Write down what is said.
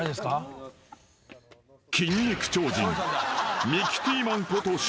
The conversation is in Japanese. ［筋肉超人］